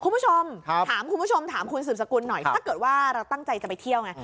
คุณผู้ชมถามคุณสุดสกุลหน่อยถ้าเกิดว่าเราตั้งใจจะไปเที่ยว